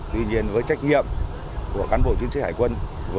tuy nhiên với trách nhiệm của cán bộ chiến sĩ hải quân